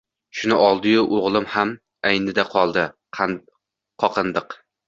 Shuni oldi-yu o‘g‘lim ham aynidi-qoldi, qoqindiq.